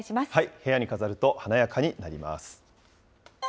部屋に飾ると華やかになります。